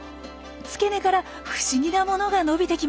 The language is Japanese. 付け根からふしぎなものが伸びてきました。